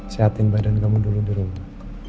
sehatin badan kamu dulu di rumah